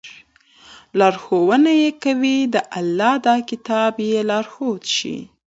لارښوونه ئې كوي، د الله دا كتاب ئې لارښود شي